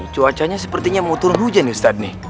cuacanya sepertinya mau turun hujan ustadz nih